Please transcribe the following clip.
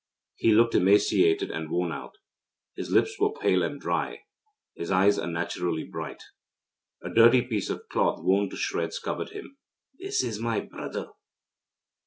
He looked emaciated and worn out. His lips were pale and dry, and his eyes unnaturally bright. A dirty piece of cloth worn to shreds covered him. 'This my brother!'